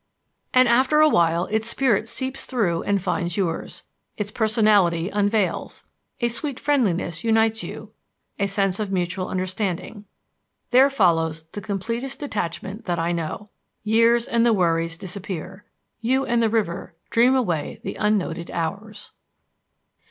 And after a while its spirit seeps through and finds yours. Its personality unveils. A sweet friendliness unites you, a sense of mutual understanding. There follows the completest detachment that I know. Years and the worries disappear. You and the river dream away the unnoted hours.